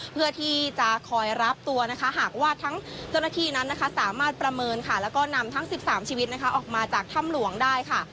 เพื่อที่จะคอยรับตัวหากว่าทั้งเจ้าหน้าที่สามารถประเมินและนำทั้ง๑๓ชีวิตออกมาจากถ้ำหลวงได้